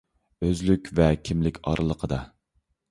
ئۆزلۈك ۋە كىملىك ئارىلىقىدا.